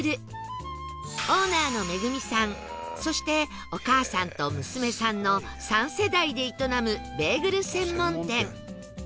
オーナーの恵さんそしてお母さんと娘さんの三世代で営むベーグル専門店